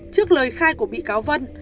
trước lời khai của bị cáo vân